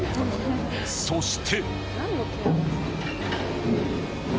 そして。